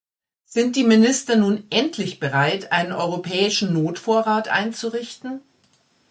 Sind die Minister nun endlich bereit, einen europäischen Notvorrat einzurichten?